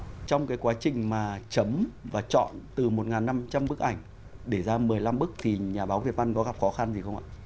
trong cái quá trình mà chấm và chọn từ một năm trăm linh bức ảnh để ra một mươi năm bức thì nhà báo việt văn có gặp khó khăn gì không ạ